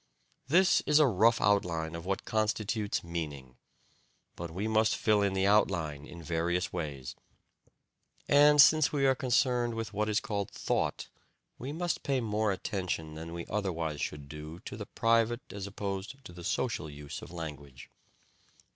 This is a rough outline of what constitutes "meaning." But we must fill in the outline in various ways. And, since we are concerned with what is called "thought," we must pay more attention than we otherwise should do to the private as opposed to the social use of language.